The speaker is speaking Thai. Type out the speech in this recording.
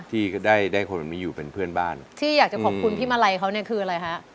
ที่ได้ได้คนแบบนี้อยู่เป็นเพื่อนบ้านที่อยากจะขอบคุณพี่มาลัยเขาเนี่ยคืออะไรฮะ